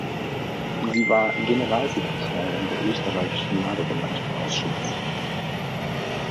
Sie war Generalsekretärin der "Österreichischen Lagergemeinschaft Auschwitz".